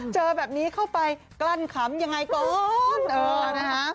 เจอแบบนี้เข้าไปกลั้นขำยังไงก่อน